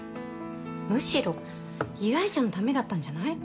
むしろ依頼者のためだったんじゃない？